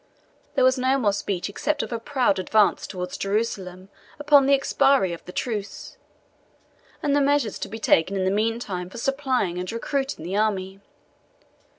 There was no more speech except of a proud advance towards Jerusalem upon the expiry of the truce, and the measures to be taken in the meantime for supplying and recruiting the army.